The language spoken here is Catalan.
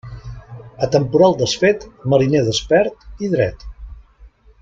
A temporal desfet, mariner despert i dret.